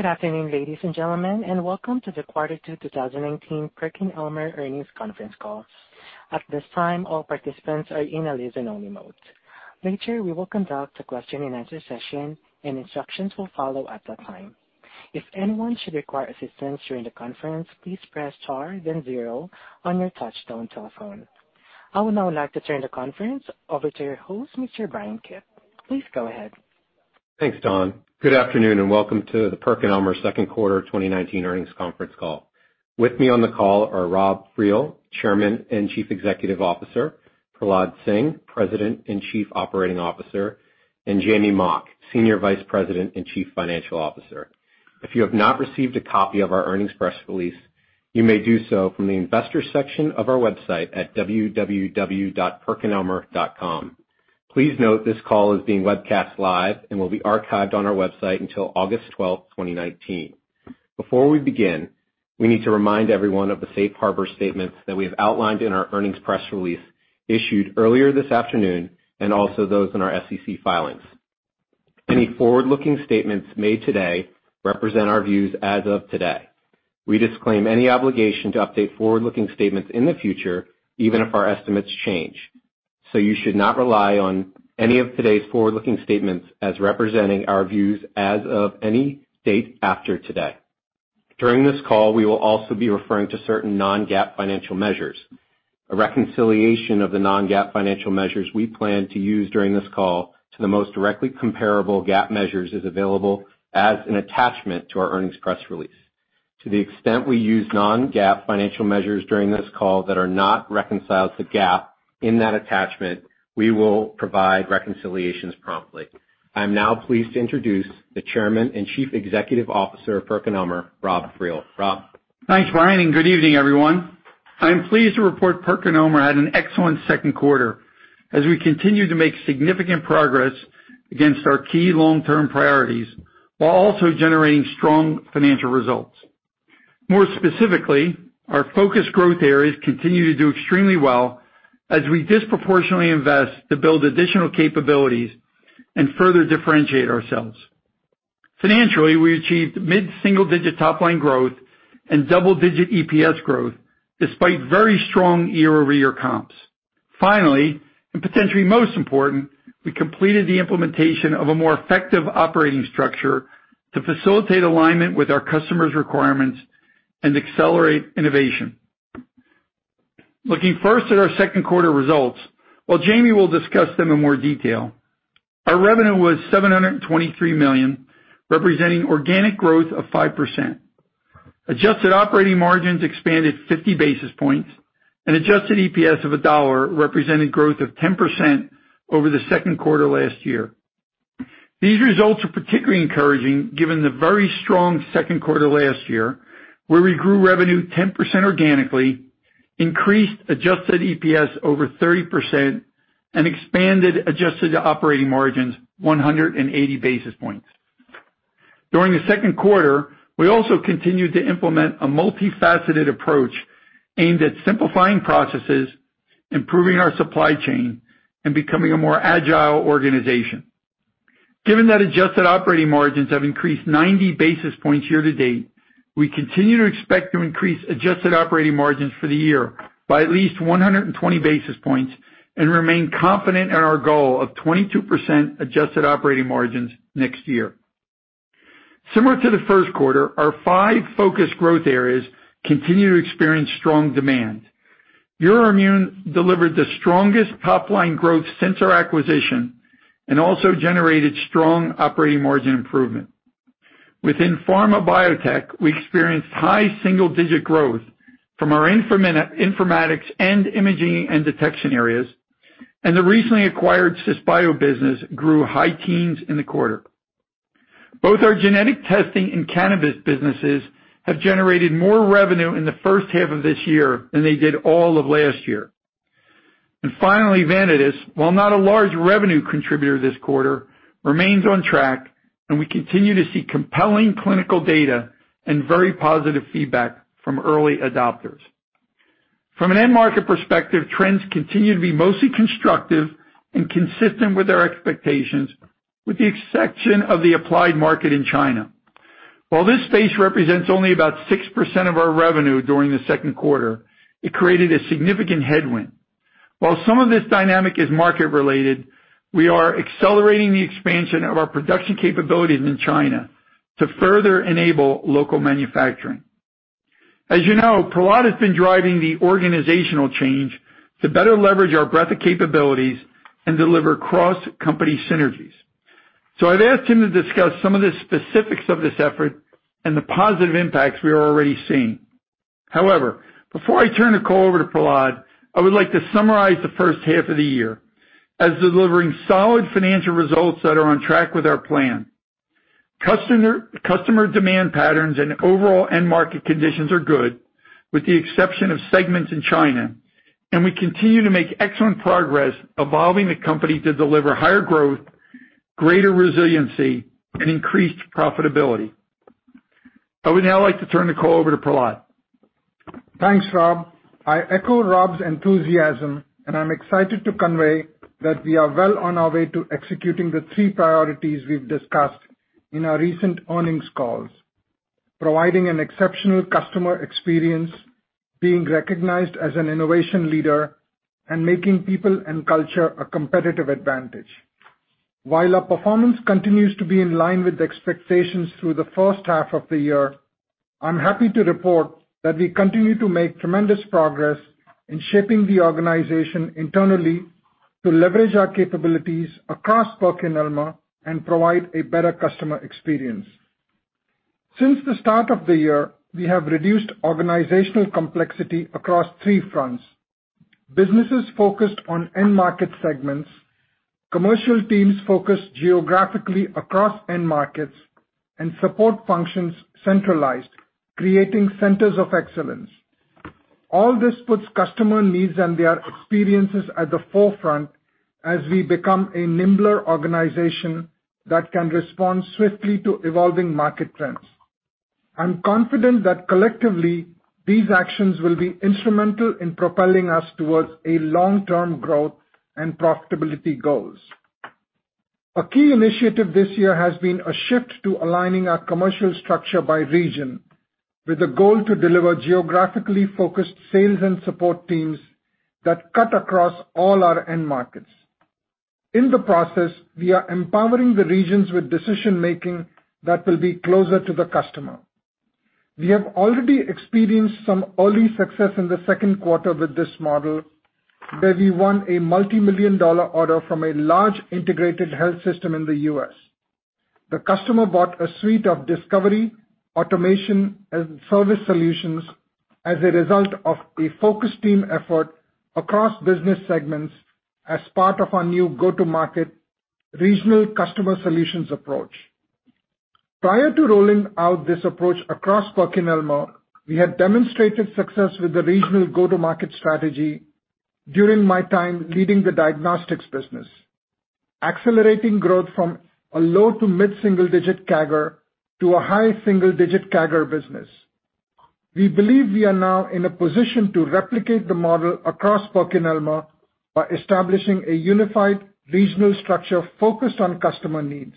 Good afternoon, ladies and gentlemen, and welcome to the Quarter Two 2019 PerkinElmer Earnings Conference Call. At this time, all participants are in a listen-only mode. Later, we will conduct a question and answer session, and instructions will follow at that time. If anyone should require assistance during the conference, please press star then zero on your touchtone telephone. I would now like to turn the conference over to your host, Mr. Bryan Kipp. Please go ahead. Thanks, Dawn. Good afternoon, welcome to the PerkinElmer Second Quarter 2019 Earnings Conference Call. With me on the call are Rob Friel, Chairman and Chief Executive Officer, Prahlad Singh, President and Chief Operating Officer, Jamey Mock, Senior Vice President and Chief Financial Officer. If you have not received a copy of our earnings press release, you may do so from the investors section of our website at www.perkinelmer.com. Please note this call is being webcast live and will be archived on our website until August 12, 2019. Before we begin, we need to remind everyone of the safe harbor statements that we have outlined in our earnings press release issued earlier this afternoon, also those in our SEC filings. Any forward-looking statements made today represent our views as of today. We disclaim any obligation to update forward-looking statements in the future, even if our estimates change. You should not rely on any of today's forward-looking statements as representing our views as of any date after today. During this call, we will also be referring to certain non-GAAP financial measures. A reconciliation of the non-GAAP financial measures we plan to use during this call to the most directly comparable GAAP measures is available as an attachment to our earnings press release. To the extent we use non-GAAP financial measures during this call that are not reconciled to GAAP in that attachment, we will provide reconciliations promptly. I am now pleased to introduce the Chairman and Chief Executive Officer of PerkinElmer, Rob Friel. Rob? Thanks, Bryan, and good evening, everyone. I am pleased to report PerkinElmer had an excellent second quarter as we continue to make significant progress against our key long-term priorities, while also generating strong financial results. More specifically, our focused growth areas continue to do extremely well as we disproportionately invest to build additional capabilities and further differentiate ourselves. Financially, we achieved mid-single-digit top-line growth and double-digit EPS growth despite very strong year-over-year comps. Finally, and potentially most important, we completed the implementation of a more effective operating structure to facilitate alignment with our customers' requirements and accelerate innovation. Looking first at our second quarter results, while Jamey will discuss them in more detail, our revenue was $723 million, representing organic growth of 5%. Adjusted operating margins expanded 50 basis points, and adjusted EPS of $1 represented growth of 10% over the second quarter last year. These results are particularly encouraging given the very strong second quarter last year, where we grew revenue 10% organically, increased adjusted EPS over 30%, and expanded adjusted operating margins 180 basis points. During the second quarter, we also continued to implement a multifaceted approach aimed at simplifying processes, improving our supply chain, and becoming a more agile organization. Given that adjusted operating margins have increased 90 basis points year to date, we continue to expect to increase adjusted operating margins for the year by at least 120 basis points and remain confident in our goal of 22% adjusted operating margins next year. Similar to the first quarter, our five focused growth areas continue to experience strong demand. EUROIMMUN delivered the strongest top-line growth since our acquisition and also generated strong operating margin improvement. Within Pharma Biotech, we experienced high single-digit growth from our informatics and imaging and detection areas, and the recently acquired Cisbio business grew high teens in the quarter. Both our genetic testing and cannabis businesses have generated more revenue in the first half of this year than they did all of last year. Finally, Vanadis, while not a large revenue contributor this quarter, remains on track, and we continue to see compelling clinical data and very positive feedback from early adopters. From an end market perspective, trends continue to be mostly constructive and consistent with our expectations, with the exception of the Applied Market in China. While this space represents only about 6% of our revenue during the second quarter, it created a significant headwind. While some of this dynamic is market related, we are accelerating the expansion of our production capabilities in China to further enable local manufacturing. As you know, Prahlad has been driving the organizational change to better leverage our breadth of capabilities and deliver cross-company synergies. I've asked him to discuss some of the specifics of this effort and the positive impacts we are already seeing. Before I turn the call over to Prahlad, I would like to summarize the first half of the year as delivering solid financial results that are on track with our plan. Customer demand patterns and overall end market conditions are good, with the exception of segments in China, and we continue to make excellent progress evolving the company to deliver higher growth, greater resiliency, and increased profitability. I would now like to turn the call over to Prahlad. Thanks, Rob. I echo Rob's enthusiasm, and I'm excited to convey that we are well on our way to executing the three priorities we've discussed in our recent earnings calls. Providing an exceptional customer experience, being recognized as an innovation leader, and making people and culture a competitive advantage. While our performance continues to be in line with the expectations through the first half of the year, I'm happy to report that we continue to make tremendous progress in shaping the organization internally to leverage our capabilities across PerkinElmer and provide a better customer experience. Since the start of the year, we have reduced organizational complexity across three fronts. Businesses focused on end market segments, commercial teams focused geographically across end markets, and support functions centralized, creating centers of excellence. All this puts customer needs and their experiences at the forefront as we become a nimbler organization that can respond swiftly to evolving market trends. I'm confident that collectively, these actions will be instrumental in propelling us towards a long-term growth and profitability goals. A key initiative this year has been a shift to aligning our commercial structure by region with the goal to deliver geographically focused sales and support teams that cut across all our end markets. In the process, we are empowering the regions with decision-making that will be closer to the customer. We have already experienced some early success in the second quarter with this model, where we won a multi-million dollar order from a large integrated health system in the U.S. The customer bought a suite of discovery, automation, and service solutions as a result of a focused team effort across business segments as part of our new go-to-market regional customer solutions approach. Prior to rolling out this approach across PerkinElmer, we had demonstrated success with the regional go-to-market strategy during my time leading the Diagnostics business. Accelerating growth from a low to mid-single-digit CAGR to a high single-digit CAGR business. We believe we are now in a position to replicate the model across PerkinElmer by establishing a unified regional structure focused on customer needs.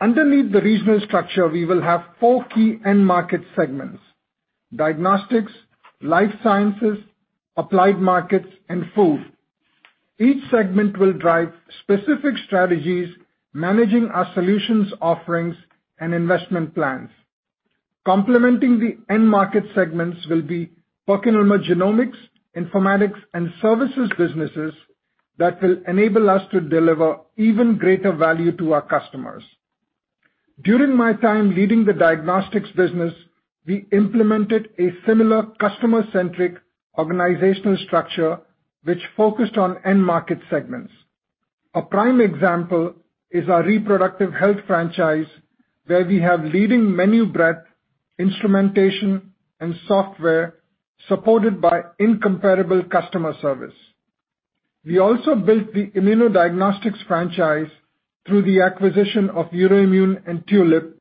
Underneath the regional structure, we will have four key end market segments. Diagnostics, Life Sciences, Applied Markets, and Food. Each segment will drive specific strategies managing our solutions offerings and investment plans. Complementing the end market segments will be PerkinElmer Genomics, Informatics, and Services businesses that will enable us to deliver even greater value to our customers. During my time leading the Diagnostics business, we implemented a similar customer-centric organizational structure which focused on end market segments. A prime example is our Reproductive Health franchise, where we have leading menu breadth, instrumentation, and software supported by incomparable customer service. We also built the Immunodiagnostics franchise through the acquisition of EUROIMMUN and Tulip,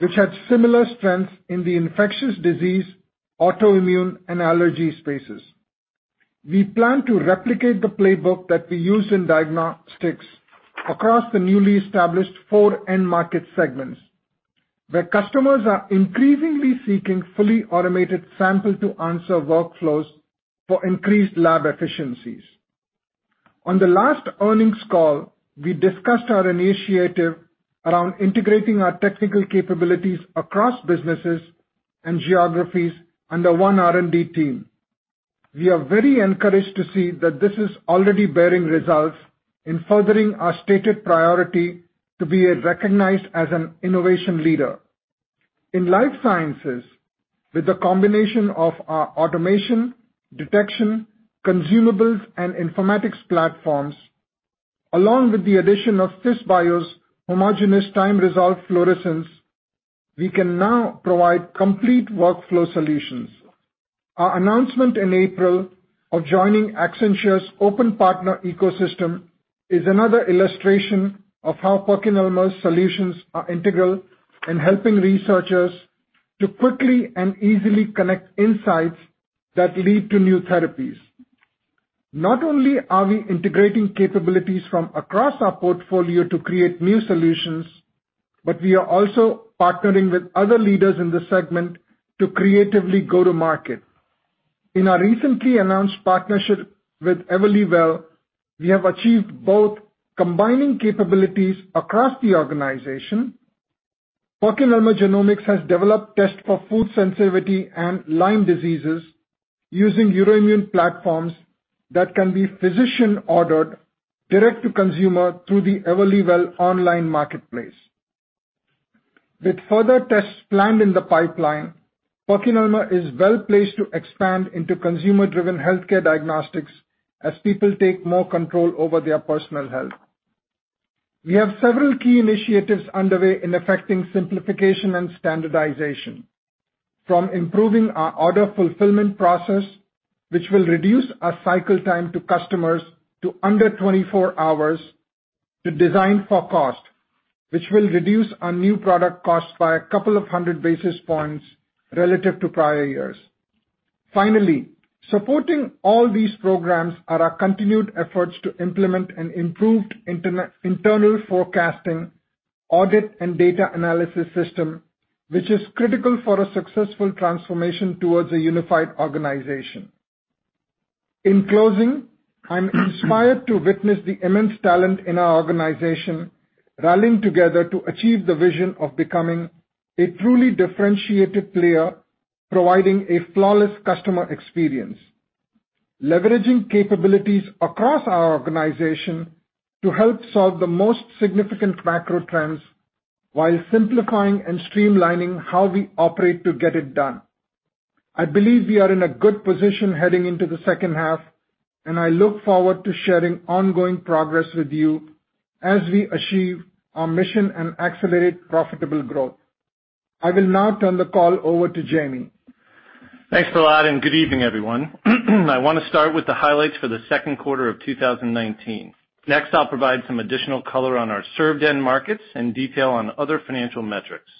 which had similar strengths in the infectious disease, autoimmune, and allergy spaces. We plan to replicate the playbook that we used in Diagnostics across the newly established four end market segments, where customers are increasingly seeking fully automated sample to answer workflows for increased lab efficiencies. On the last earnings call, we discussed our initiative around integrating our technical capabilities across businesses and geographies under one R&D team. We are very encouraged to see that this is already bearing results in furthering our stated priority to be recognized as an innovation leader. In Life Sciences, with the combination of our automation, detection, consumables, and informatics platforms, along with the addition of Cisbio's homogenous time-resolved fluorescence, we can now provide complete workflow solutions. Our announcement in April of joining Accenture's open partner ecosystem is another illustration of how PerkinElmer's solutions are integral in helping researchers to quickly and easily connect insights that lead to new therapies. Not only are we integrating capabilities from across our portfolio to create new solutions, but we are also partnering with other leaders in the segment to creatively go to market. In our recently announced partnership with Everlywell, we have achieved both combining capabilities across the organization. PerkinElmer Genomics has developed tests for food sensitivity and Lyme diseases using EUROIMMUN platforms that can be physician-ordered direct to consumer through the Everlywell online marketplace. With further tests planned in the pipeline, PerkinElmer is well-placed to expand into consumer-driven healthcare diagnostics as people take more control over their personal health. We have several key initiatives underway in effecting simplification and standardization. From improving our order fulfillment process, which will reduce our cycle time to customers to under 24 hours, to design for cost which will reduce our new product costs by a couple of hundred basis points relative to prior years. Finally, supporting all these programs are our continued efforts to implement an improved internal forecasting audit and data analysis system, which is critical for a successful transformation towards a unified organization. In closing, I'm inspired to witness the immense talent in our organization rallying together to achieve the vision of becoming a truly differentiated player, providing a flawless customer experience. Leveraging capabilities across our organization to help solve the most significant macro trends, while simplifying and streamlining how we operate to get it done. I believe we are in a good position heading into the second half, and I look forward to sharing ongoing progress with you as we achieve our mission and accelerate profitable growth. I will now turn the call over to Jamey. Thanks a lot, good evening, everyone. I want to start with the highlights for the second quarter of 2019. Next, I'll provide some additional color on our served end markets and detail on other financial metrics.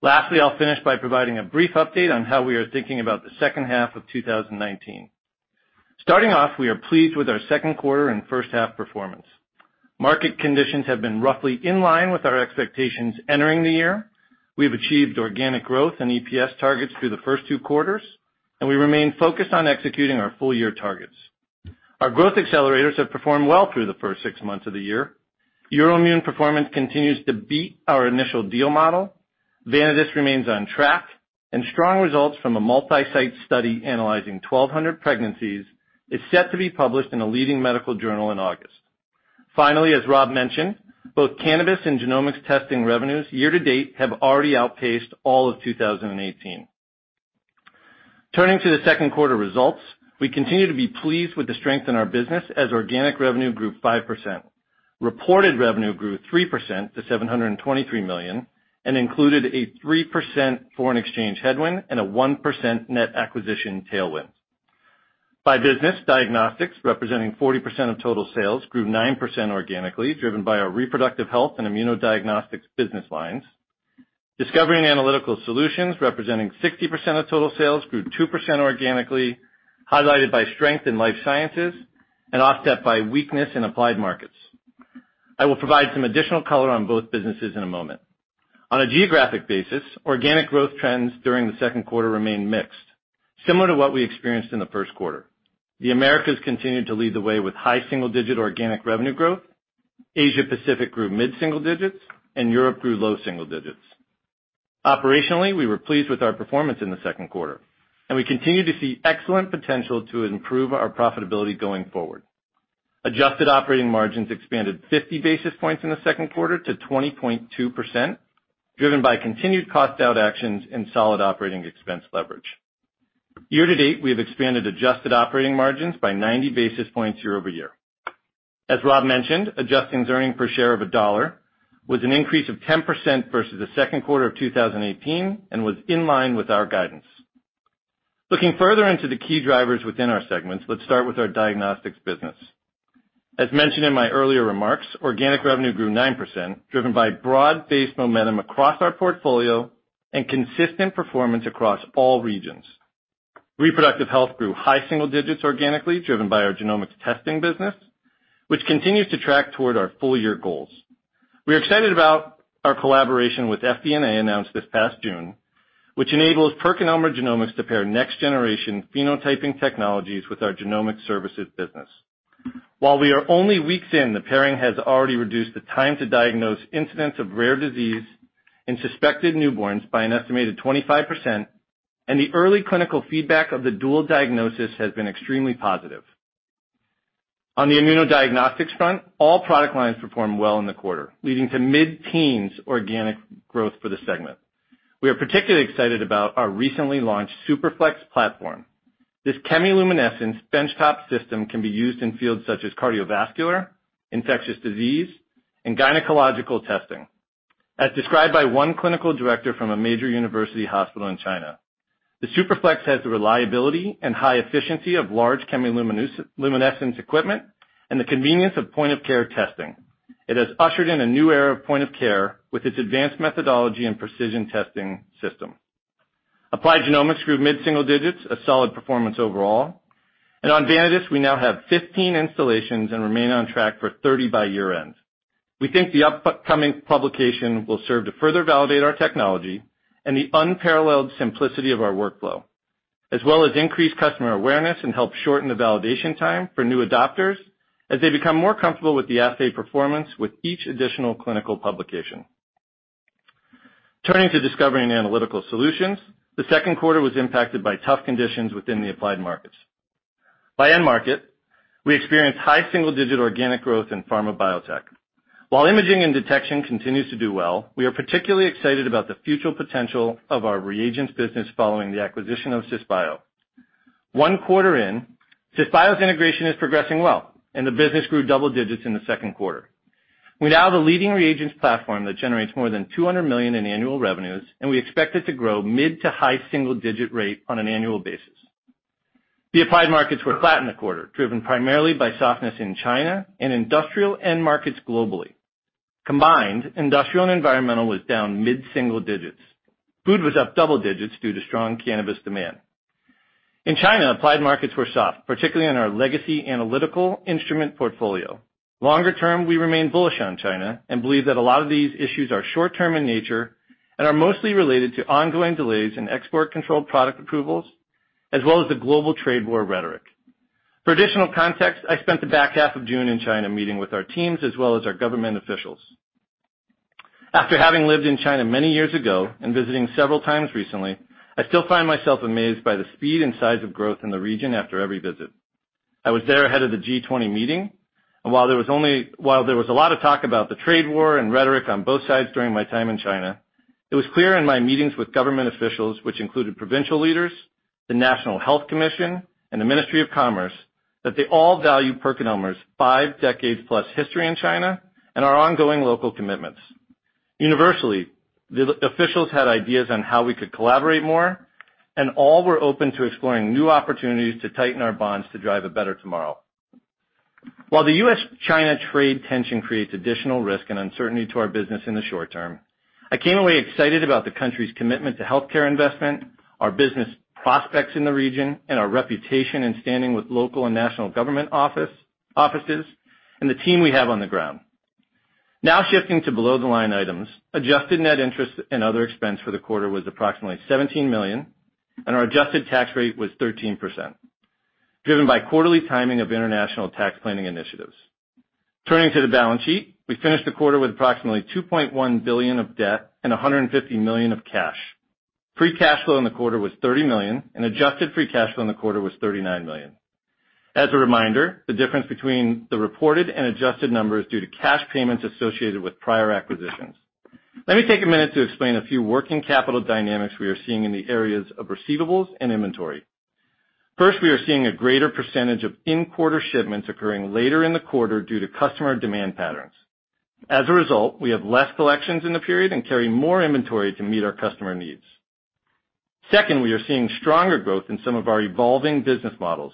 Lastly, I'll finish by providing a brief update on how we are thinking about the second half of 2019. Starting off, we are pleased with our second quarter and first half performance. Market conditions have been roughly in line with our expectations entering the year. We have achieved organic growth and EPS targets through the first two quarters, we remain focused on executing our full year targets. Our growth accelerators have performed well through the first six months of the year. EUROIMMUN performance continues to beat our initial deal model. Vanadis remains on track. Strong results from a multi-site study analyzing 1,200 pregnancies is set to be published in a leading medical journal in August. Finally, as Rob mentioned, both cannabis and genomics testing revenues year to date have already outpaced all of 2018. Turning to the second quarter results, we continue to be pleased with the strength in our business as organic revenue grew 5%. Reported revenue grew 3% to $723 million, and included a 3% foreign exchange headwind and a 1% net acquisition tailwind. By business, Diagnostics, representing 40% of total sales, grew 9% organically, driven by our Reproductive Health and Immunodiagnostics business lines. Discovery and Analytical Solutions, representing 60% of total sales, grew 2% organically, highlighted by strength in Life Sciences and offset by weakness in Applied Markets. I will provide some additional color on both businesses in a moment. On a geographic basis, organic growth trends during the second quarter remained mixed, similar to what we experienced in the first quarter. The Americas continued to lead the way with high single-digit organic revenue growth. Asia Pacific grew mid-single digits, and Europe grew low single digits. Operationally, we were pleased with our performance in the second quarter, and we continue to see excellent potential to improve our profitability going forward. Adjusted operating margins expanded 50 basis points in the second quarter to 20.2%, driven by continued cost out actions and solid operating expense leverage. Year to date, we have expanded adjusted operating margins by 90 basis points year-over-year. As Rob mentioned, adjusted earnings per share of $1 was an increase of 10% versus the second quarter of 2018 and was in line with our guidance. Looking further into the key drivers within our segments, let's start with our Diagnostics business. As mentioned in my earlier remarks, organic revenue grew 9%, driven by broad-based momentum across our portfolio and consistent performance across all regions. Reproductive Health grew high single digits organically, driven by our genomics testing business, which continues to track toward our full-year goals. We are excited about our collaboration with FDNA announced this past June, which enables PerkinElmer Genomics to pair next generation phenotyping technologies with our genomic services business. While we are only weeks in, the pairing has already reduced the time to diagnose incidents of rare disease in suspected newborns by an estimated 25%, and the early clinical feedback of the dual diagnosis has been extremely positive. On the Immunodiagnostics front, all product lines performed well in the quarter, leading to mid-teens organic growth for the segment. We are particularly excited about our recently launched SuperFlex platform. This chemiluminescence bench-top system can be used in fields such as cardiovascular, infectious disease, and gynecological testing. As described by one clinical director from a major university hospital in China, "The SuperFlex has the reliability and high efficiency of large chemiluminescence equipment and the convenience of point-of-care testing. It has ushered in a new era of point-of-care with its advanced methodology and precision testing system." Applied Genomics grew mid-single digits, a solid performance overall. On Vanadis, we now have 15 installations and remain on track for 30 by year-end. We think the upcoming publication will serve to further validate our technology and the unparalleled simplicity of our workflow, as well as increase customer awareness and help shorten the validation time for new adopters as they become more comfortable with the assay performance with each additional clinical publication. Turning to Discovery and Analytical Solutions, the second quarter was impacted by tough conditions within the Applied Markets. By end market, we experienced high single-digit organic growth in pharma biotech. While imaging and detection continues to do well, we are particularly excited about the future potential of our reagents business following the acquisition of Cisbio. One quarter in, Cisbio's integration is progressing well, and the business grew double digits in the second quarter. We now have a leading reagents platform that generates more than $200 million in annual revenues, and we expect it to grow mid to high single-digit rate on an annual basis. The Applied Markets were flat in the quarter, driven primarily by softness in China and industrial end markets globally. Combined, industrial and environmental was down mid-single digits. Food was up double digits due to strong cannabis demand. In China, Applied Markets were soft, particularly in our legacy analytical instrument portfolio. Longer term, we remain bullish on China and believe that a lot of these issues are short-term in nature and are mostly related to ongoing delays in export control product approvals, as well as the global trade war rhetoric. For additional context, I spent the back half of June in China meeting with our teams as well as our government officials. After having lived in China many years ago and visiting several times recently, I still find myself amazed by the speed and size of growth in the region after every visit. I was there ahead of the G20 meeting. While there was a lot of talk about the trade war and rhetoric on both sides during my time in China, it was clear in my meetings with government officials, which included provincial leaders, the National Health Commission, and the Ministry of Commerce, that they all value PerkinElmer's five-decade plus history in China and our ongoing local commitments. Universally, the officials had ideas on how we could collaborate more. All were open to exploring new opportunities to tighten our bonds to drive a better tomorrow. While the U.S.-China trade tension creates additional risk and uncertainty to our business in the short term, I came away excited about the country's commitment to healthcare investment, our business prospects in the region, and our reputation and standing with local and national government offices, and the team we have on the ground. Shifting to below-the-line items, adjusted net interest and other expense for the quarter was approximately $17 million, and our adjusted tax rate was 13%, driven by quarterly timing of international tax planning initiatives. Turning to the balance sheet, we finished the quarter with approximately $2.1 billion of debt and $150 million of cash. Free cash flow in the quarter was $30 million, and adjusted free cash flow in the quarter was $39 million. As a reminder, the difference between the reported and adjusted numbers is due to cash payments associated with prior acquisitions. Let me take a minute to explain a few working capital dynamics we are seeing in the areas of receivables and inventory. First, we are seeing a greater percentage of in-quarter shipments occurring later in the quarter due to customer demand patterns. As a result, we have less collections in the period and carry more inventory to meet our customer needs. Second, we are seeing stronger growth in some of our evolving business models.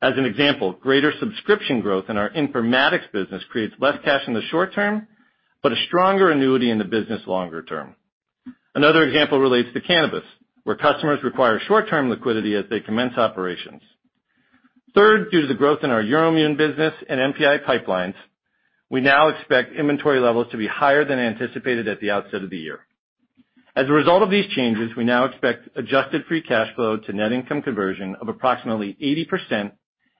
As an example, greater subscription growth in our informatics business creates less cash in the short term, but a stronger annuity in the business longer term. Another example relates to cannabis, where customers require short-term liquidity as they commence operations. Third, due to the growth in our EUROIMMUN business and NPI pipelines, we now expect inventory levels to be higher than anticipated at the outset of the year. As a result of these changes, we now expect adjusted free cash flow to net income conversion of approximately 80%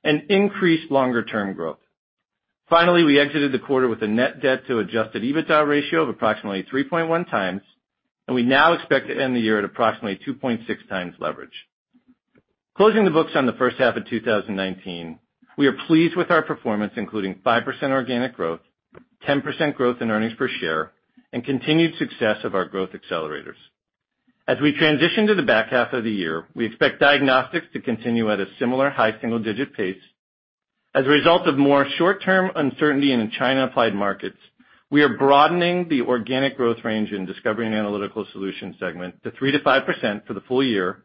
and increased longer-term growth. Finally, we exited the quarter with a net debt to adjusted EBITDA ratio of approximately 3.1x, and we now expect to end the year at approximately 2.6x leverage. Closing the books on the first half of 2019, we are pleased with our performance, including 5% organic growth, 10% growth in earnings per share, and continued success of our growth accelerators. As we transition to the back half of the year, we expect Diagnostics to continue at a similar high single-digit pace. As a result of more short-term uncertainty in the China Applied Markets, we are broadening the organic growth range in Discovery and Analytical Solutions segment to 3%-5% for the full year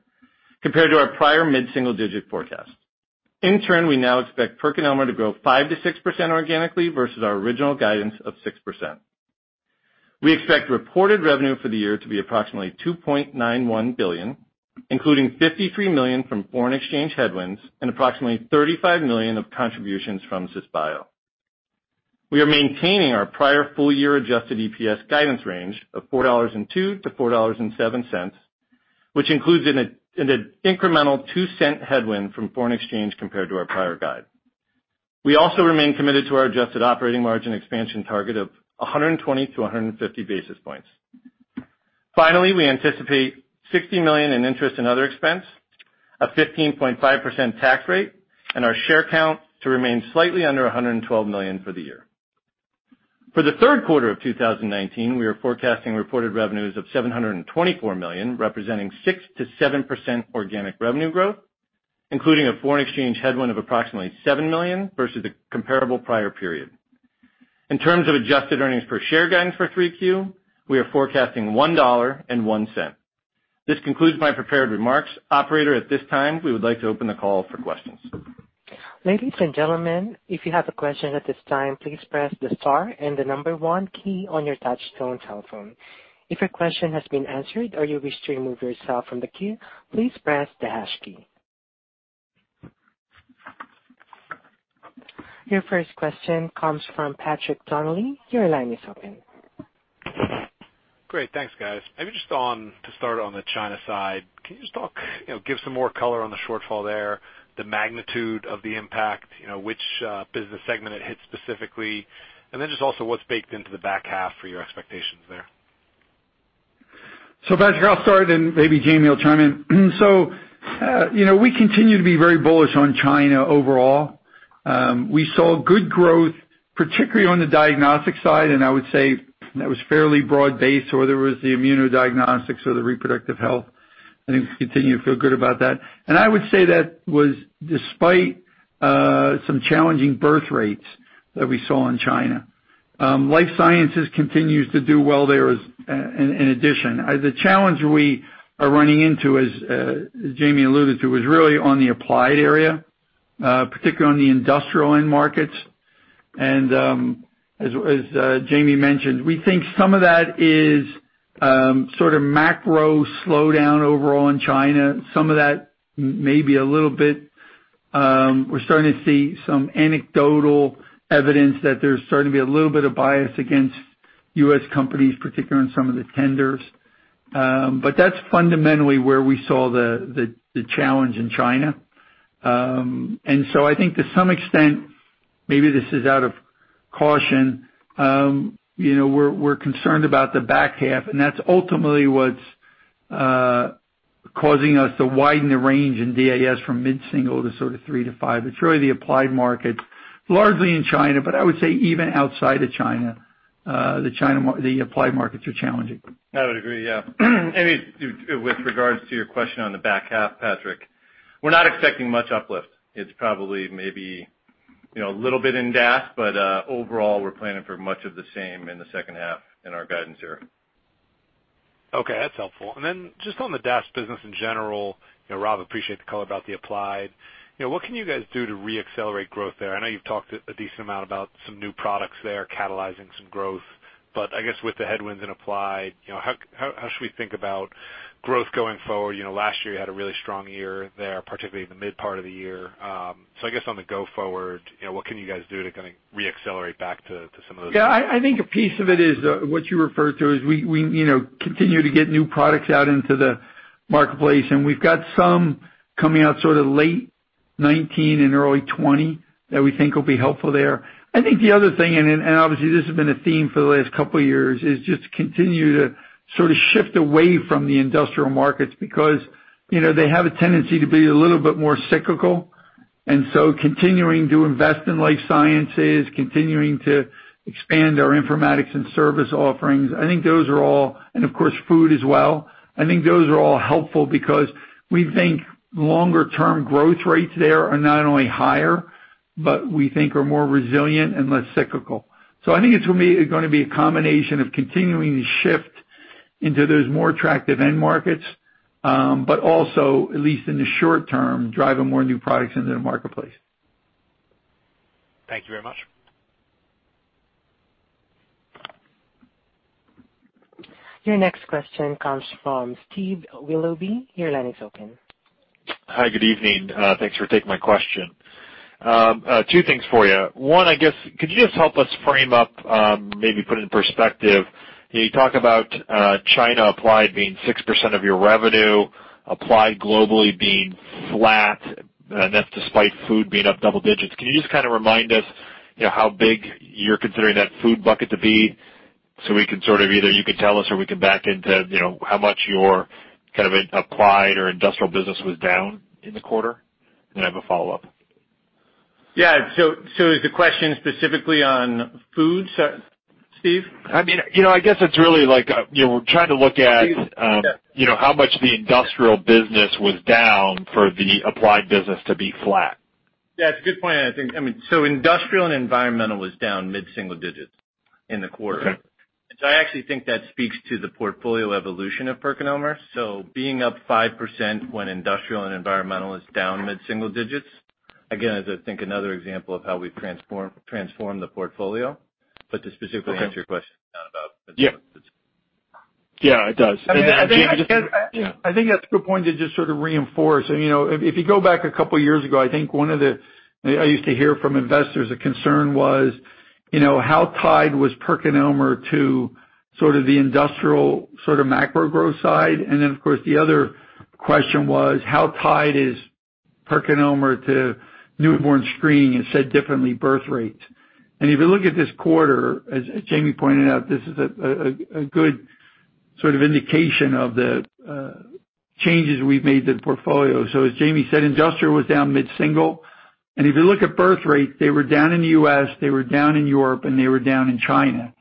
compared to our prior mid-single-digit forecast. In turn, we now expect PerkinElmer to grow 5%-6% organically versus our original guidance of 6%. We expect reported revenue for the year to be approximately $2.91 billion, including $53 million from foreign exchange headwinds and approximately $35 million of contributions from Cisbio. We are maintaining our prior full-year adjusted EPS guidance range of $4.02-$4.07, which includes an incremental $0.02 headwind from foreign exchange compared to our prior guide. We also remain committed to our adjusted operating margin expansion target of 120-150 basis points. We anticipate $60 million in interest and other expense, a 15.5% tax rate, and our share count to remain slightly under 112 million for the year. For the third quarter of 2019, we are forecasting reported revenues of $724 million, representing 6%-7% organic revenue growth, including a foreign exchange headwind of approximately $7 million versus the comparable prior period. In terms of adjusted earnings per share guidance for 3Q, we are forecasting $1.01. This concludes my prepared remarks. Operator, at this time, we would like to open the call for questions. Ladies and gentlemen, if you have a question at this time, please press the star and the number one key on your touchtone telephone. If your question has been answered or you wish to remove yourself from the queue, please press the hash key. Your first question comes from Patrick Donnelly. Your line is open. Great. Thanks, guys. Maybe just to start on the China side, can you just give some more color on the shortfall there, the magnitude of the impact, which business segment it hits specifically, and then just also what's baked into the back half for your expectations there? Patrick, I'll start and maybe Jamey will chime in. We continue to be very bullish on China overall. We saw good growth, particularly on the Diagnostic side, and I would say that was fairly broad-based, whether it was the Immunodiagnostics or the Reproductive Health. I think we continue to feel good about that. I would say that was despite some challenging birth rates that we saw in China. Life Sciences continues to do well there in addition. The challenge we are running into, as Jamey alluded to, was really on the Applied area, particularly on the industrial end markets. As Jamey mentioned, we think some of that is sort of macro slowdown overall in China. Some of that may be a little bit, we're starting to see some anecdotal evidence that there's starting to be a little bit of bias against U.S. companies, particularly on some of the tenders. That's fundamentally where we saw the challenge in China. I think to some extent, maybe this is out of caution, we're concerned about the back half, and that's ultimately what's causing us to widen the range in DAS from mid-single to sort of 3%-5%. It's really the Applied Markets, largely in China, but I would say even outside of China, the Applied Markets are challenging. I would agree. Yeah. With regards to your question on the back half, Patrick, we're not expecting much uplift. It's probably maybe a little bit in DAS, but, overall, we're planning for much of the same in the second half in our guidance here. Okay, that's helpful. Just on the DAS business in general, Rob, appreciate the color about the Applied. What can you guys do to re-accelerate growth there? I know you've talked a decent amount about some new products there catalyzing some growth, I guess with the headwinds in Applied, how should we think about growth going forward? Last year you had a really strong year there, particularly in the mid part of the year. I guess on the go forward, what can you guys do to re-accelerate back to some of those? A piece of it is what you refer to as we continue to get new products out into the marketplace, and we've got some coming out sort of late 2019 and early 2020 that we think will be helpful there. The other thing, obviously this has been a theme for the last couple of years, is just to continue to sort of shift away from the industrial markets because they have a tendency to be a little bit more cyclical. Continuing to invest in Life Sciences, continuing to expand our informatics and service offerings, and of course, Food as well. I think those are all helpful because we think longer term growth rates there are not only higher, but we think are more resilient and less cyclical. I think it's going to be a combination of continuing to shift into those more attractive end markets, but also, at least in the short term, driving more new products into the marketplace. Thank you very much. Your next question comes from Steve Willoughby. Your line is open. Hi, good evening. Thanks for taking my question. Two things for you. One, I guess, could you just help us frame up, maybe put it in perspective, you talk about China Applied being 6% of your revenue, Applied globally being flat, and that's despite Food being up double digits. Can you just kind of remind us how big you're considering that Food bucket to be so we can sort of either you can tell us or we can back into how much your kind of Applied or industrial business was down in the quarter? I have a follow-up. Yeah. Is the question specifically on Food, Steve? I guess it's really like we're trying to look at how much the industrial business was down for the applied business to be flat. Yeah, it's a good point, I think. Industrial and environmental was down mid-single digits in the quarter. Okay. I actually think that speaks to the portfolio evolution of PerkinElmer. Being up 5% when industrial and environmental is down mid-single digits, again, is I think another example of how we've transformed the portfolio. Yeah. Yeah, it does. I think that's a good point to just sort of reinforce. If you go back a couple of years ago, I think one of the I used to hear from investors, the concern was, how tied was PerkinElmer to sort of the industrial sort of macro growth side. Of course, the other question was how tied is PerkinElmer to newborn screening, and said differently, birth rates. If you look at this quarter, as Jamey pointed out, this is a good sort of indication of the changes we've made to the portfolio. As Jamey said, industrial was down mid-single, and if you look at birth rates, they were down in the U.S., they were down in Europe, and they were down in China.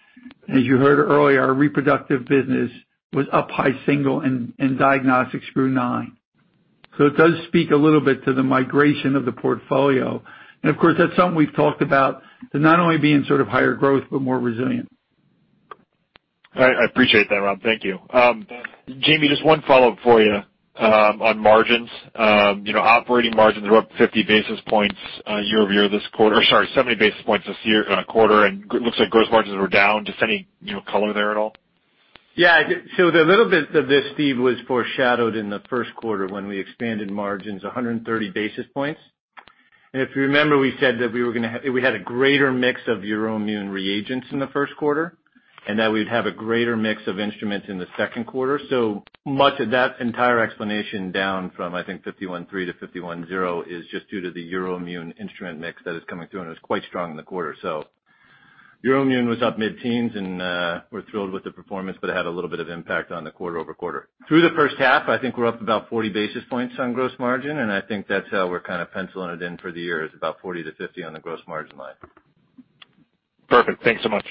As you heard earlier, our Reproductive business was up high single and Diagnostics grew 9%. It does speak a little bit to the migration of the portfolio. Of course, that's something we've talked about to not only being sort of higher growth, but more resilient. All right. I appreciate that, Rob. Thank you. Jamey, just one follow-up for you on margins. Operating margins are up 50 basis points year-over-year this quarter, or sorry, 70 basis points this quarter, and looks like gross margins were down. Just any color there at all? A little bit of this, Steve, was foreshadowed in the first quarter when we expanded margins 130 basis points. If you remember, we said that we had a greater mix of EUROIMMUN reagents in the first quarter, and that we'd have a greater mix of instruments in the second quarter. Much of that entire explanation down from, I think, 51.3 to 51.0 is just due to the EUROIMMUN instrument mix that is coming through, and it was quite strong in the quarter. EUROIMMUN was up mid-teens, and we're thrilled with the performance, but it had a little bit of impact on the quarter-over-quarter. Through the first half, I think we're up about 40 basis points on gross margin, and I think that's how we're kind of penciling it in for the year. It's about 40 to 50 basis points on the gross margin line. Perfect. Thanks so much.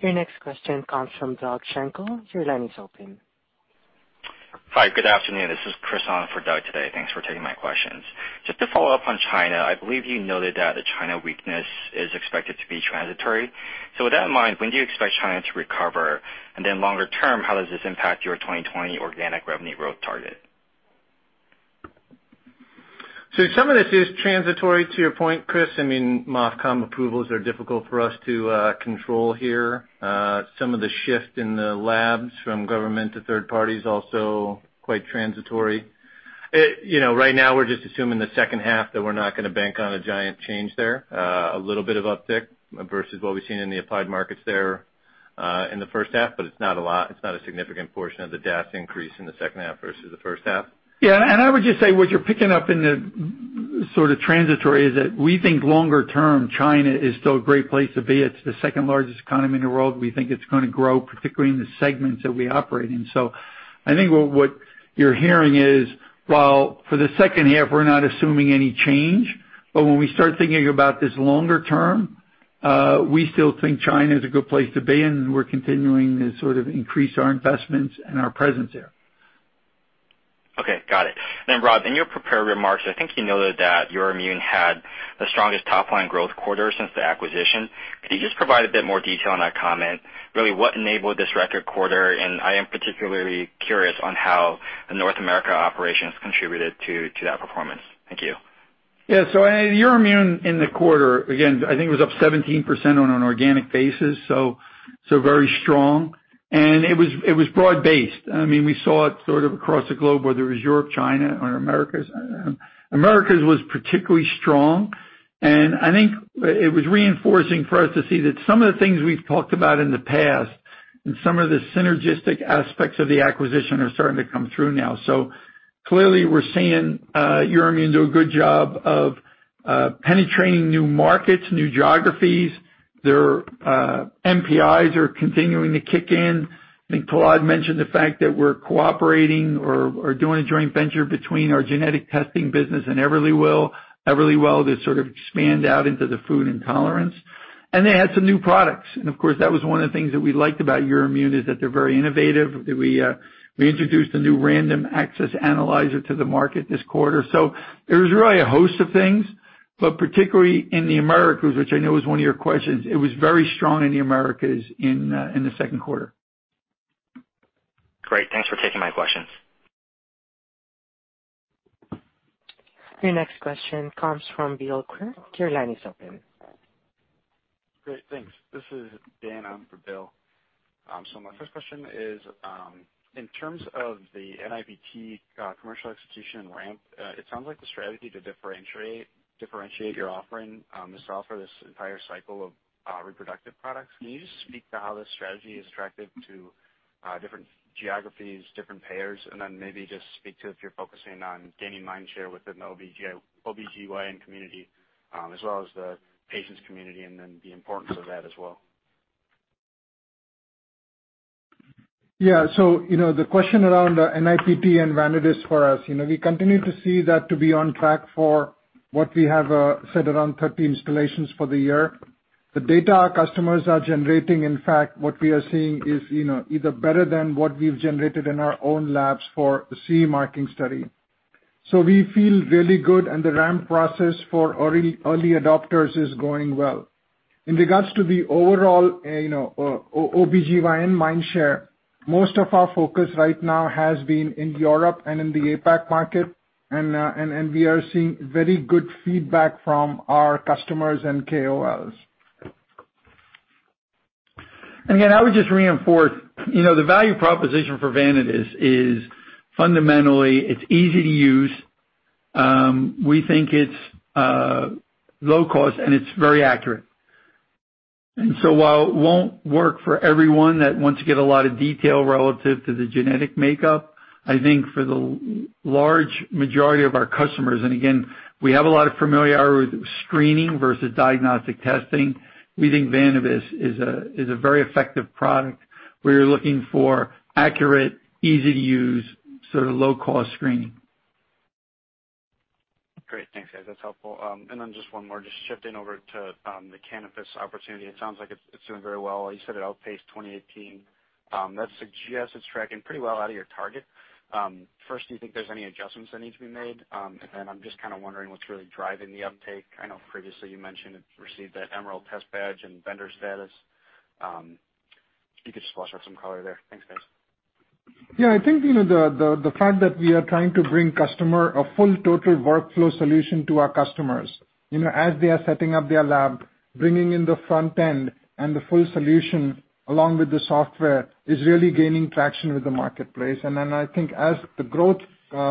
Your next question comes from Doug Schenkel. Your line is open. Hi, good afternoon. This is Chris on for Doug today. Thanks for taking my questions. Just to follow up on China, I believe you noted that the China weakness is expected to be transitory. With that in mind, when do you expect China to recover? Longer term, how does this impact your 2020 organic revenue growth target? Some of this is transitory to your point, Chris. MOFCOM approvals are difficult for us to control here. Some of the shift in the labs from government to third party is also quite transitory. Right now we're just assuming the second half that we're not going to bank on a giant change there. A little bit of uptick versus what we've seen in the Applied Markets there, in the first half, it's not a lot, it's not a significant portion of the DAS increase in the second half versus the first half. I would just say what you're picking up in the sort of transitory is that we think longer term, China is still a great place to be. It's the second largest economy in the world. We think it's going to grow, particularly in the segments that we operate in. I think what you're hearing is, while for the second half, we're not assuming any change, but when we start thinking about this longer term, we still think China is a good place to be, and we're continuing to sort of increase our investments and our presence there. Okay. Got it. Rob, in your prepared remarks, I think you noted that EUROIMMUN had the strongest top-line growth quarter since the acquisition. Can you just provide a bit more detail on that comment? Really, what enabled this record quarter, and I am particularly curious on how the North America operations contributed to that performance. Thank you. Yeah. EUROIMMUN in the quarter, again, I think it was up 17% on an organic basis, very strong. It was broad-based. We saw it sort of across the globe, whether it was Europe, China, or Americas. Americas was particularly strong. I think it was reinforcing for us to see that some of the things we've talked about in the past and some of the synergistic aspects of the acquisition are starting to come through now. Clearly we're seeing EUROIMMUN do a good job of penetrating new markets, new geographies. Their NPIs are continuing to kick in. I think Prahlad mentioned the fact that we're cooperating or doing a joint venture between our genetic testing business and Everlywell to sort of expand out into the food intolerance. They had some new products. Of course, that was one of the things that we liked about EUROIMMUN, is that they're very innovative. We introduced a new random access analyzer to the market this quarter. It was really a host of things, but particularly in the Americas, which I know is one of your questions. It was very strong in the Americas in the second quarter. Great. Thanks for taking my questions. Your next question comes from Bill Quirk. Your line is open. Great. Thanks. This is Dan on for Bill. My first question is, in terms of the NIPT commercial execution ramp, it sounds like the strategy to differentiate your offering is to offer this entire cycle of Reproductive products. Can you just speak to how this strategy is attractive to different geographies, different payers? Maybe just speak to if you're focusing on gaining mind share within the OB-GYN community, as well as the patients community, and then the importance of that as well. Yeah. The question around NIPT and Vanadis for us. We continue to see that to be on track for what we have said, around 30 installations for the year. The data our customers are generating, in fact, what we are seeing is either better than what we've generated in our own labs for the CE marking study. We feel really good, and the ramp process for early adopters is going well. In regards to the overall OB-GYN mind share, most of our focus right now has been in Europe and in the APAC market, and we are seeing very good feedback from our customers and KOLs. Again, I would just reinforce, the value proposition for Vanadis is fundamentally, it's easy to use. We think it's low cost, and it's very accurate. While it won't work for everyone that wants to get a lot of detail relative to the genetic makeup, I think for the large majority of our customers, again, we have a lot of familiarity with screening versus diagnostic testing. We think Vanadis is a very effective product where you're looking for accurate, easy to use, sort of low-cost screening. Great. Thanks, guys. That's helpful. Then just one more, just shifting over to the cannabis opportunity. It sounds like it's doing very well. You said it outpaced 2018. That suggests it's tracking pretty well out of your target. First, do you think there's any adjustments that need to be made? Then I'm just kind of wondering what's really driving the uptake. I know previously you mentioned it received that Emerald Test Badge and vendor status. If you could just flesh out some color there. Thanks, guys. Yeah, I think the fact that we are trying to bring a full total workflow solution to our customers. As they are setting up their lab, bringing in the front end and the full solution along with the software, is really gaining traction with the marketplace. Then I think as the growth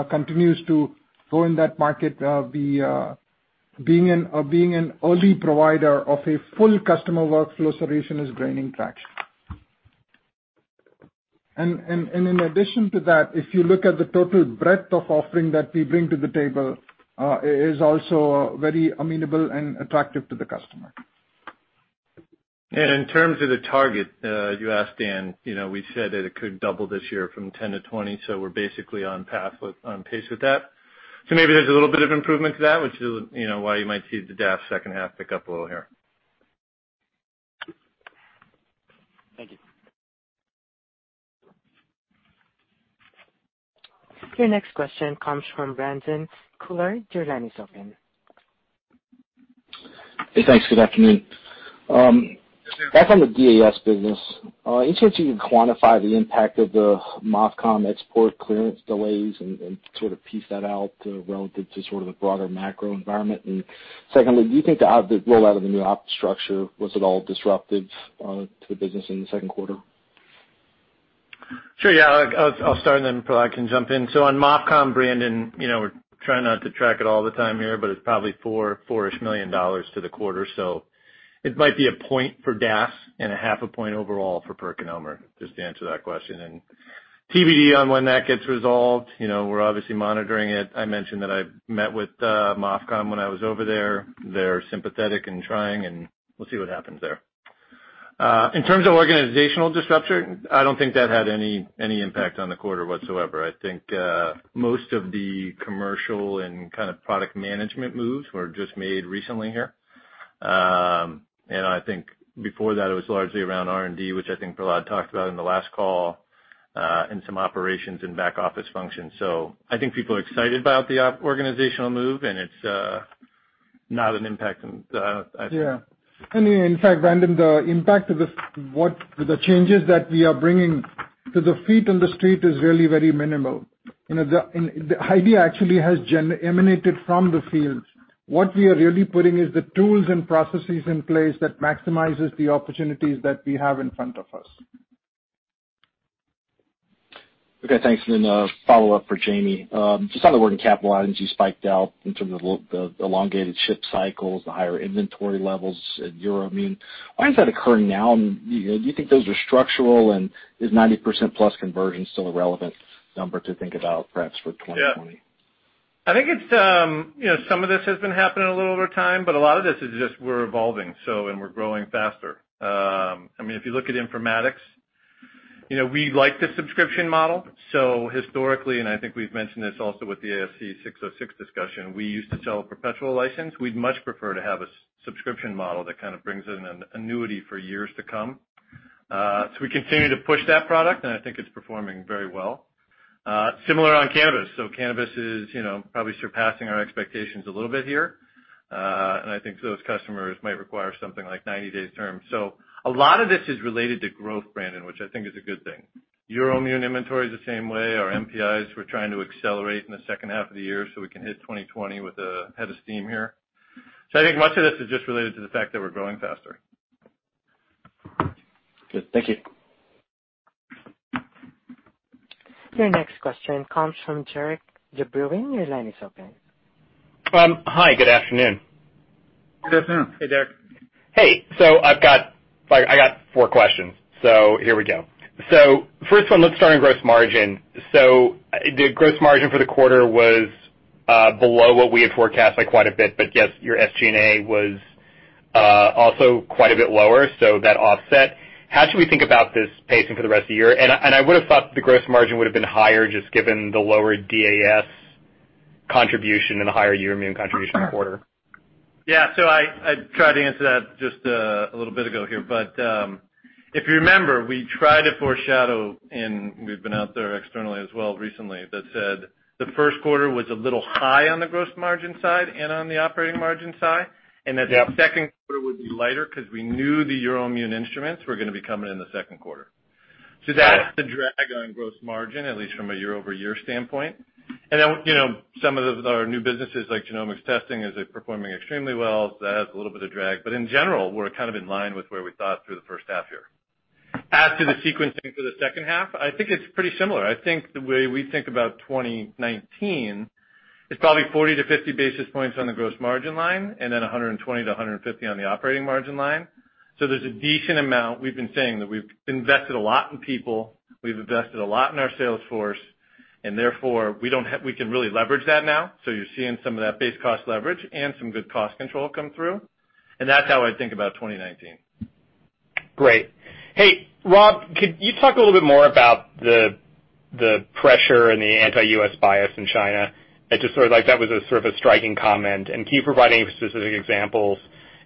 continues to grow in that market, being an early provider of a full customer workflow solution is gaining traction. In addition to that, if you look at the total breadth of offering that we bring to the table, it is also very amenable and attractive to the customer. In terms of the target, you asked Dan, we said that it could double this year from 10 to 20, so we're basically on pace with that. Maybe there's a little bit of improvement to that, which is why you might see the DAS second half pick up a little here. Thank you. Your next question comes from Brandon Couillard. Your line is open. Hey, thanks. Good afternoon. Back on the DAS business. Any chance you can quantify the impact of the MOFCOM export clearance delays and sort of piece that out relative to sort of the broader macro environment? Secondly, do you think the rollout of the new op structure, was it all disruptive to the business in the second quarter? Sure, yeah. I'll start and then Prahlad can jump in. On MOFCOM, Brandon, we're trying not to track it all the time here, but it's probably $4 million to the quarter. It might be 1 point for DAS and 0.5 point overall for PerkinElmer, just to answer that question. TBD on when that gets resolved. We're obviously monitoring it. I mentioned that I met with MOFCOM when I was over there. They're sympathetic and trying, and we'll see what happens there. In terms of organizational disruption, I don't think that had any impact on the quarter whatsoever. I think most of the commercial and kind of product management moves were just made recently here. I think before that, it was largely around R&D, which I think Prahlad talked about in the last call, and some operations and back-office functions. I think people are excited about the organizational move, and it's not an impact I think. Yeah. In fact, Brandon, the impact of the changes that we are bringing to the feet on the street is really very minimal. The idea actually has emanated from the fields. What we are really putting is the tools and processes in place that maximizes the opportunities that we have in front of us. Okay, thanks. A follow-up for Jamey. Just on the working capital items, you spiked out in terms of the elongated ship cycles, the higher inventory levels at EUROIMMUN. Why is that occurring now? Do you think those are structural, and is 90%+ conversion still a relevant number to think about, perhaps for 2020? I think some of this has been happening a little over time, but a lot of this is just we're evolving, and we're growing faster. If you look at informatics, we like the subscription model. Historically, and I think we've mentioned this also with the ASC 606 discussion, we used to sell a perpetual license. We'd much prefer to have a subscription model that kind of brings in an annuity for years to come. We continue to push that product, and I think it's performing very well. Similar on cannabis. Cannabis is probably surpassing our expectations a little bit here. I think those customers might require something like 90-day terms. A lot of this is related to growth, Brandon, which I think is a good thing. EUROIMMUN inventory is the same way. Our NPIs, we're trying to accelerate in the second half of the year so we can hit 2020 with a head of steam here. I think much of this is just related to the fact that we're growing faster. Good. Thank you. Your next question comes from Derik de Bruin. Your line is open. Hi. Good afternoon. Good afternoon. Hey, Derik. Hey. I got four questions. Here we go. First one, let's start on gross margin. The gross margin for the quarter was below what we had forecast by quite a bit, yes, your SG&A was also quite a bit lower, so that offset. How should we think about this pacing for the rest of the year? I would've thought the gross margin would've been higher, just given the lower DAS contribution and the higher EUROIMMUN contribution quarter. Yeah. I tried to answer that just a little bit ago here, but, if you remember, we tried to foreshadow, and we've been out there externally as well recently, that said the first quarter was a little high on the gross margin side and on the operating margin side. Yep. Second quarter would be lighter because we knew the EUROIMMUN instruments were going to be coming in the second quarter. That's the drag on gross margin, at least from a year-over-year standpoint. Some of our new businesses, like genomics testing, is performing extremely well. That has a little bit of drag. In general, we're kind of in line with where we thought through the first half year. As to the sequencing for the second half, I think it's pretty similar. The way we think about 2019 is probably 40-50 basis points on the gross margin line, and then 120-150 basis points on the operating margin line. There's a decent amount. We've been saying that we've invested a lot in people, we've invested a lot in our sales force, and therefore, we can really leverage that now. You're seeing some of that base cost leverage and some good cost control come through. That's how I think about 2019. Great. Hey, Rob, could you talk a little bit more about the pressure and the anti-U.S. bias in China? That was sort of a striking comment. Can you provide any specific examples?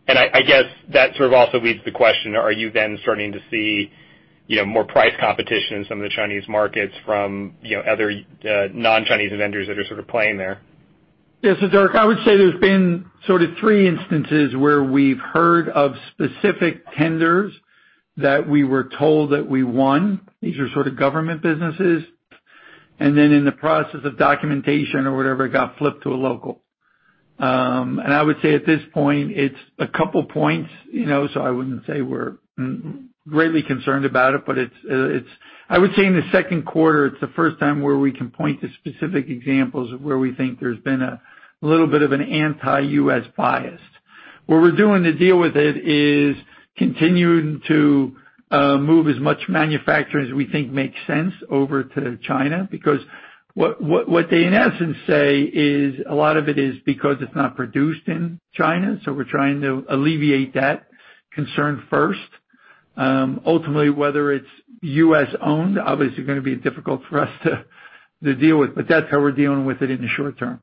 I guess that sort of also leads to the question, are you then starting to see more price competition in some of the Chinese markets from other non-Chinese vendors that are sort of playing there? Yeah. Derik, I would say there's been sort of three instances where we've heard of specific tenders that we were told that we won. These are sort of government businesses. Then in the process of documentation or whatever, it got flipped to a local. I would say at this point, it's a couple points, so I wouldn't say we're greatly concerned about it. I would say in the second quarter, it's the first time where we can point to specific examples of where we think there's been a little bit of an anti-U.S. bias. What we're doing to deal with it is continuing to move as much manufacturing as we think makes sense over to China, because what they in essence say is a lot of it is because it's not produced in China, so we're trying to alleviate that concern first. Ultimately, whether it's U.S.-owned, obviously going to be difficult for us to deal with. That's how we're dealing with it in the short term.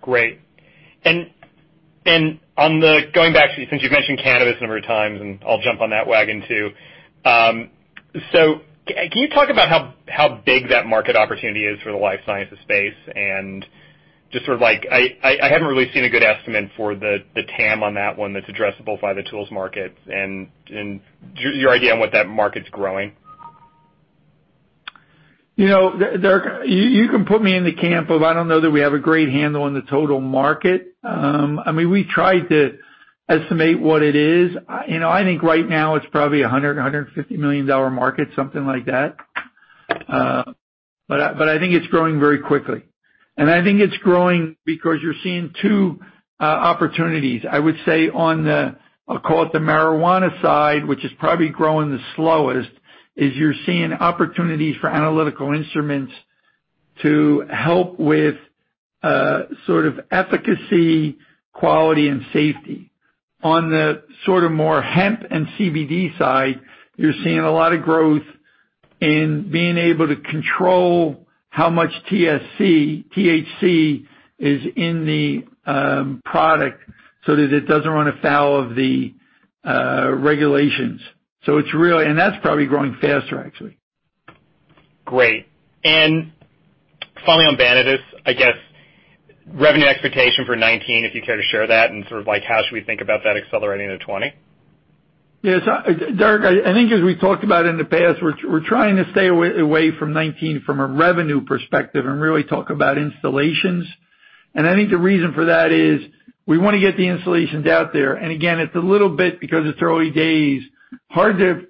Great. And going back, since you've mentioned cannabis a number of times, and I'll jump on that wagon, too. Can you talk about how big that market opportunity is for the Life Sciences space and just sort of like I haven't really seen a good estimate for the TAM on that one that's addressable by the tools market and your idea on what that market's growing? Derik, you can put me in the camp of, I don't know that we have a great handle on the total market. We tried to estimate what it is. I think right now it's probably $100 million, $150 million market, something like that. I think it's growing very quickly. I think it's growing because you're seeing two opportunities. I would say on the, I'll call it the marijuana side, which is probably growing the slowest, is you're seeing opportunities for analytical instruments to help with sort of efficacy, quality and safety. On the sort of more hemp and CBD side, you're seeing a lot of growth in being able to control how much THC is in the product so that it doesn't run afoul of the regulations. That's probably growing faster, actually. Great. Finally, on Vanadis, I guess, revenue expectation for 2019, if you care to share that, and sort of like how should we think about that accelerating into 2020? Yeah. Derick, I think as we talked about in the past, we're trying to stay away from 2019 from a revenue perspective and really talk about installations. I think the reason for that is we want to get the installations out there. Again, it's a little bit, because it's early days, hard to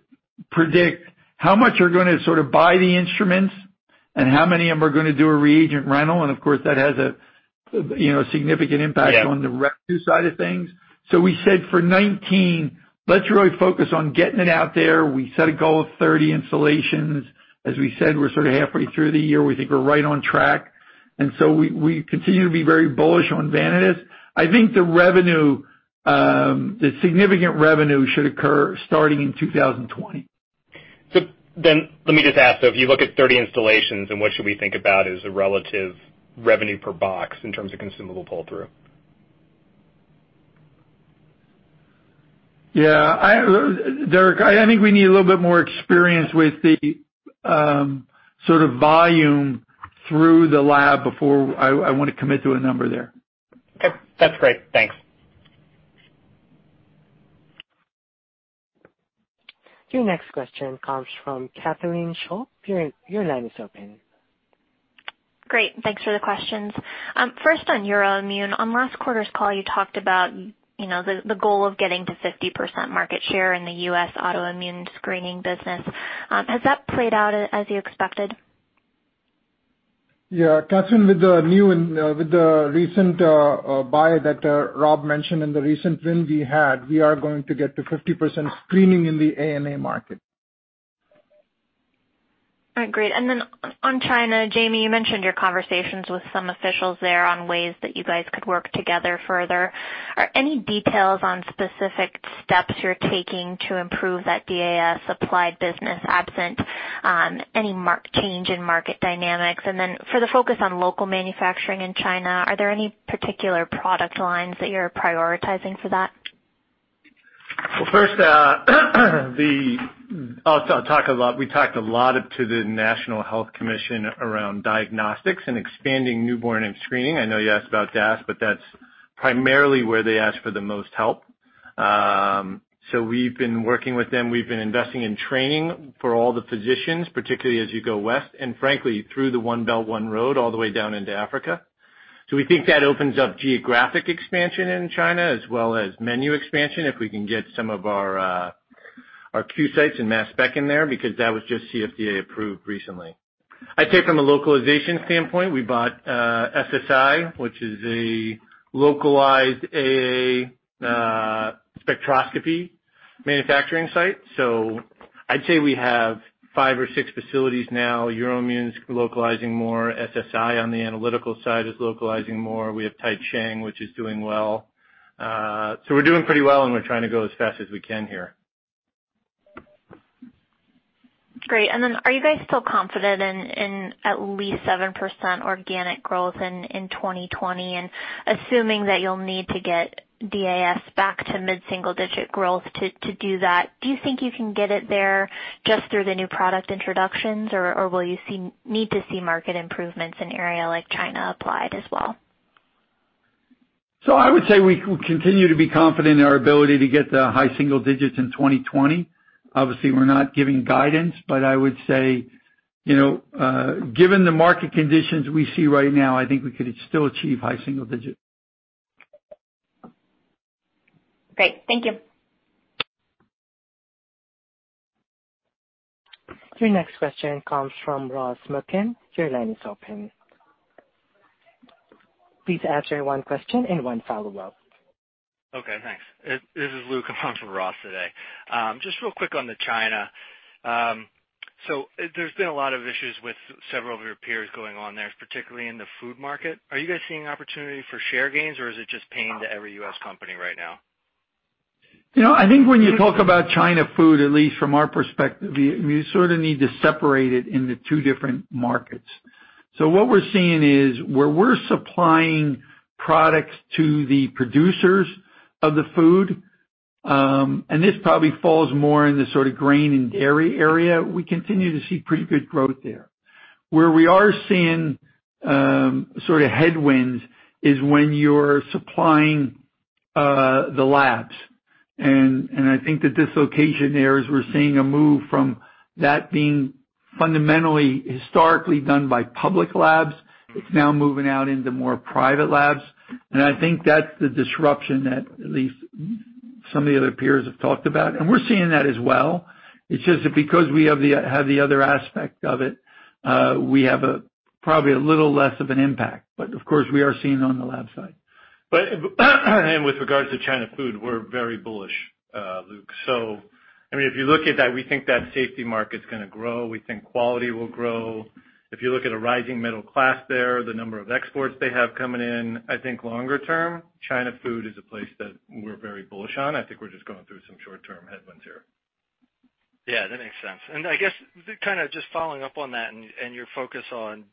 predict how much are going to sort of buy the instruments and how many of them are going to do a reagent rental. Of course, that has a significant impact. Yeah. on the revenue side of things. We said for 2019, let's really focus on getting it out there. We set a goal of 30 installations. As we said, we're sort of halfway through the year. We think we're right on track. We continue to be very bullish on Vanadis. I think the significant revenue should occur starting in 2020. Let me just ask, though, if you look at 30 installations, then what should we think about as a relative revenue per box in terms of consumable pull-through? Yeah. Derik, I think we need a little bit more experience with the sort of volume through the lab before I want to commit to a number there. Okay. That's great. Thanks. Your next question comes from Catherine Schulte. Your line is open. Great. Thanks for the questions. First on EUROIMMUN. On last quarter's call, you talked about the goal of getting to 50% market share in the U.S. autoimmune screening business. Has that played out as you expected? Yeah, Catherine, with the recent buy that Rob mentioned and the recent win we had, we are going to get to 50% screening in the ANA market. All right, great. On China, Jamey, you mentioned your conversations with some officials there on ways that you guys could work together further. Are any details on specific steps you're taking to improve that DAS Applied business absent any change in market dynamics? For the focus on local manufacturing in China, are there any particular product lines that you're prioritizing for that? Well, first, we talked a lot to the National Health Commission around Diagnostics and expanding newborn screening. I know you asked about DAS, that's primarily where they asked for the most help. We've been working with them. We've been investing in training for all the physicians, particularly as you go west, and frankly, through the One Belt, One Road, all the way down into Africa. We think that opens up geographic expansion in China as well as menu expansion, if we can get some of our QSight and mass spec in there, because that was just CFDA-approved recently. I'd say from a localization standpoint, we bought SSI, which is a localized AA spectroscopy manufacturing site. I'd say we have five or six facilities now. EUROIMMUN's localizing more. SSI on the analytical side is localizing more. We have Taicang, which is doing well. We're doing pretty well, and we're trying to go as fast as we can here. Great. Are you guys still confident in at least 7% organic growth in 2020? Assuming that you'll need to get DAS back to mid-single digit growth to do that, do you think you can get it there just through the new product introductions, or will you need to see market improvements in area like China Applied as well? I would say we continue to be confident in our ability to get to high single digits in 2020. Obviously, we're not giving guidance, I would say, given the market conditions we see right now, I think we could still achieve high single digit. Great. Thank you. Your next question comes from Ross Muken. Your line is open. Please answer one question and one follow-up. Okay, thanks. This is Luke. I'm calling from Ross today. Just real quick on China. There's been a lot of issues with several of your peers going on there, particularly in the Food market. Are you guys seeing opportunity for share gains, or is it just pain to every U.S. company right now? I think when you talk about China Food, at least from our perspective, you sort of need to separate it into two different markets. What we're seeing is where we're supplying products to the producers of the Food, and this probably falls more in the grain and dairy area, we continue to see pretty good growth there. Where we are seeing headwinds is when you're supplying the labs, and I think the dislocation there is we're seeing a move from that being fundamentally historically done by public labs. It's now moving out into more private labs, and I think that's the disruption that at least some of the other peers have talked about. We're seeing that as well. It's just that because we have the other aspect of it, we have probably a little less of an impact. Of course, we are seeing it on the lab side. With regards to China Food, we're very bullish, Luke. If you look at that, we think that safety market's going to grow. We think quality will grow. If you look at a rising middle class there, the number of exports they have coming in, I think longer term, China Food is a place that we're very bullish on. I think we're just going through some short-term headwinds here. Yeah, that makes sense. I guess, just following up on that and your focus on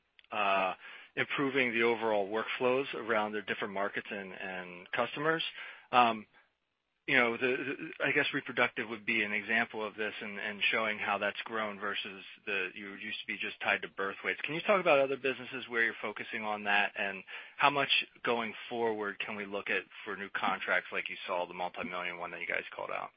improving the overall workflows around the different markets and customers. I guess Reproductive would be an example of this and showing how that's grown versus you used to be just tied to birth weights. Can you talk about other businesses where you're focusing on that, and how much going forward can we look at for new contracts like you saw the multi-million one that you guys called out?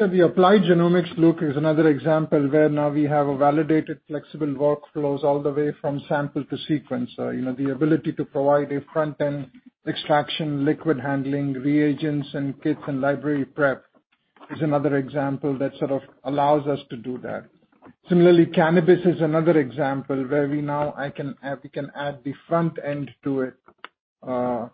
Yeah, the Applied Genomics, Luke, is another example where now we have a validated, flexible workflows all the way from sample to sequence. The ability to provide a front-end extraction, liquid handling, reagents, and kits and library prep is another example that sort of allows us to do that. Similarly, cannabis is another example where we now can add the front end to it, the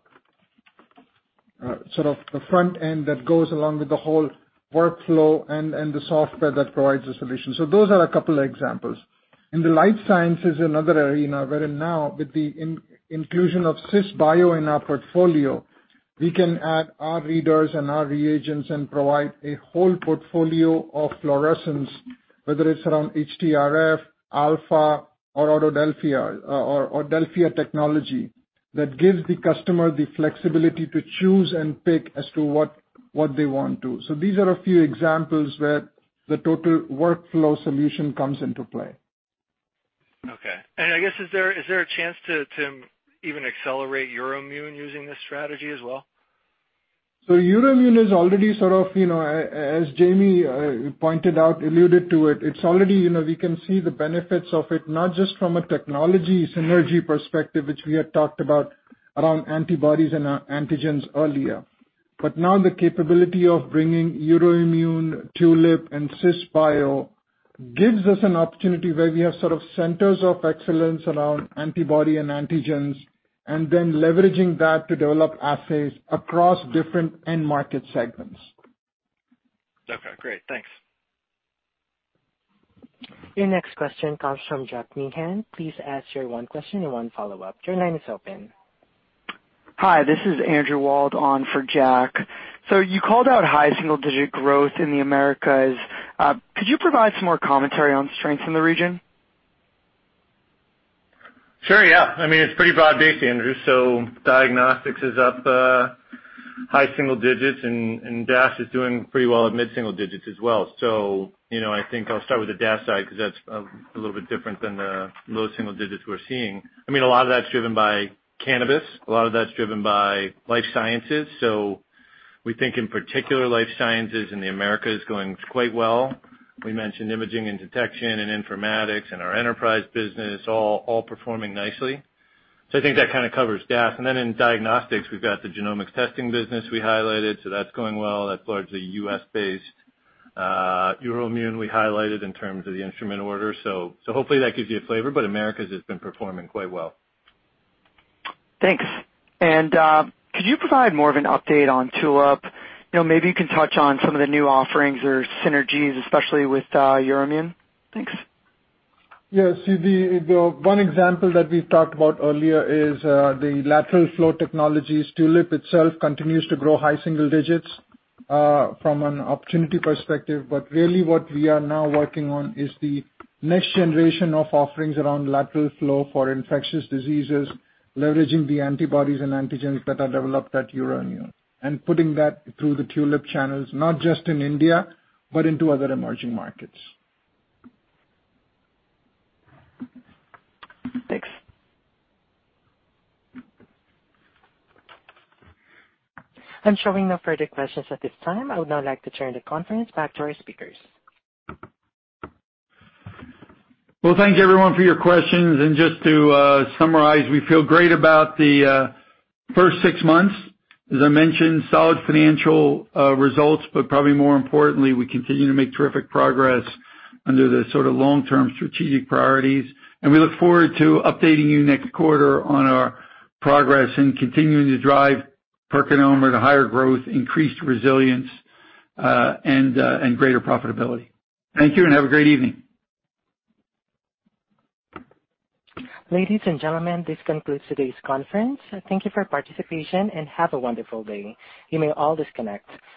front end that goes along with the whole workflow and the software that provides the solution. Those are a couple examples. In the Life Sciences is another arena wherein now, with the inclusion of Cisbio in our portfolio, we can add our readers and our reagents and provide a whole portfolio of fluorescence, whether it's around HTRF, Alpha or DELFIA technology, that gives the customer the flexibility to choose and pick as to what they want to. These are a few examples where the total workflow solution comes into play. Okay. I guess, is there a chance to even accelerate EUROIMMUN using this strategy as well? EUROIMMUN is already, as Jamey pointed out, alluded to it, we can see the benefits of it, not just from a technology synergy perspective, which we had talked about around antibodies and antigens earlier. Now the capability of bringing EUROIMMUN, Tulip, and Cisbio gives us an opportunity where we have centers of excellence around antibody and antigens, and then leveraging that to develop assays across different end market segments. Okay, great. Thanks. Your next question comes from Jack Meehan. Please ask your one question and one follow-up. Your line is open. Hi, this is Andrew Wald on for Jack. You called out high single-digit growth in the Americas. Could you provide some more commentary on strengths in the region? Sure, yeah. It's pretty broad-based, Andrew. Diagnostics is up high single digits, and DAS is doing pretty well at mid-single digits as well. I think I'll start with the DAS side because that's a little bit different than the low single digits we're seeing. A lot of that's driven by cannabis. A lot of that's driven by Life Sciences. We think in particular Life Sciences in the Americas is going quite well. We mentioned imaging and detection and informatics and our enterprise business all performing nicely. I think that covers DAS. Then in Diagnostics, we've got the genomic testing business we highlighted, so that's going well. That's largely U.S.-based. EUROIMMUN, we highlighted in terms of the instrument order. Hopefully that gives you a flavor, but Americas has been performing quite well. Thanks. Could you provide more of an update on Tulip? Maybe you can touch on some of the new offerings or synergies, especially with EUROIMMUN. Thanks. Yeah. One example that we talked about earlier is the lateral flow technologies. Tulip itself continues to grow high single digits, from an opportunity perspective. Really what we are now working on is the next generation of offerings around lateral flow for infectious diseases, leveraging the antibodies and antigens that are developed at EUROIMMUN, and putting that through the Tulip channels, not just in India, but into other emerging markets. Thanks. I'm showing no further questions at this time. I would now like to turn the conference back to our speakers. Well, thanks everyone for your questions. Just to summarize, we feel great about the first six months. As I mentioned, solid financial results, probably more importantly, we continue to make terrific progress under the long-term strategic priorities. We look forward to updating you next quarter on our progress and continuing to drive PerkinElmer to higher growth, increased resilience, and greater profitability. Thank you, and have a great evening. Ladies and gentlemen, this concludes today's conference. Thank you for your participation, and have a wonderful day. You may all disconnect.